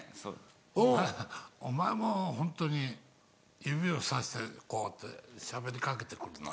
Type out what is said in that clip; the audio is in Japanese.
お前お前もホントに指をさしてこうやってしゃべりかけて来るのは。